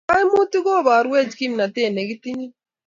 kaimutik kobarwech kimnatet nekitinye